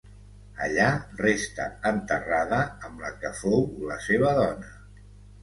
Allà resta enterrada amb la que fou la seva dona.